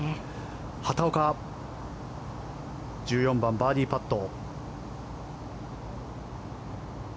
畑岡１４番、バーディーパット。